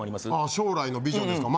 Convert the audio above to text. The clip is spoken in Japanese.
将来のビジョンですかま